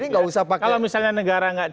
jadi nggak usah pakai kalau misalnya negara